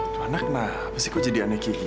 tuh anak kenapa sih kok jadi aneh kayak gini